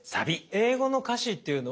英語の歌詞っていうのは